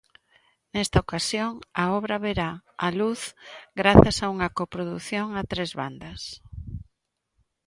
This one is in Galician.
Nesta ocasión, a obra verá a luz grazas a unha coprodución a tres bandas.